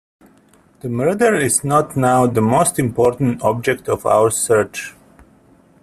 The murderer is not now the most important object of our search.